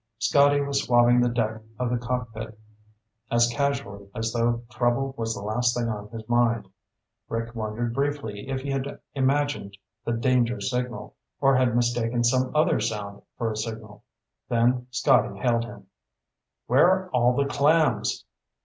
Scotty was swabbing the deck of the cockpit as casually as though trouble was the last thing on his mind. Rick wondered briefly if he had imagined the danger signal, or had mistaken some other sound for a signal. Then Scotty hailed him. "Where are all the clams?"